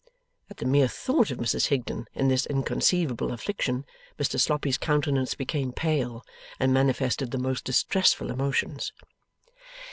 At the mere thought of Mrs Higden in this inconceivable affliction, Mr Sloppy's countenance became pale, and manifested the most distressful emotions.